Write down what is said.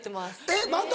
えっまた？